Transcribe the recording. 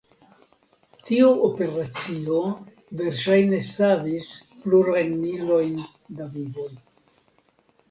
Tio operacio verŝajne savis plurajn milojn da vivoj.